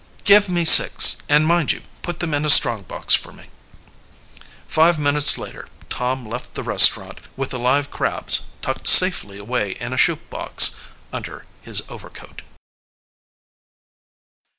"Give me six, and mind you put them in a strong box for me." Five minutes later Tom left the restaurant with the live crabs tucked safely away in a shoe box under his overcoat.